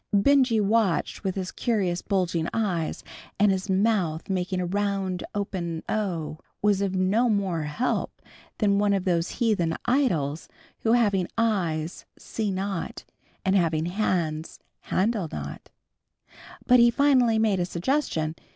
Benjy, watching with his curious bulging eyes, and his mouth making a round open O, was of no more help than one of those heathen idols, who having eyes, see not, and having hands, handle not. But he finally made a suggestion.